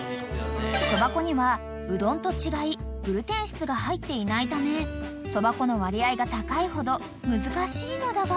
［そば粉にはうどんと違いグルテン質が入っていないためそば粉の割合が高いほど難しいのだが］